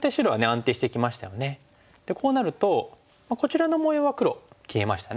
こうなるとこちらの模様は黒消えましたね。